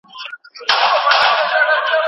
موږ کولای سو چي نوي وسایل اختراع کړو.